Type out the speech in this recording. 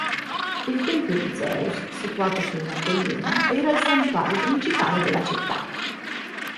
Il tempio di Zeus, situato su una collina, era il santuario principale della città.